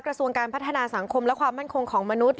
กระทรวงการพัฒนาสังคมและความมั่นคงของมนุษย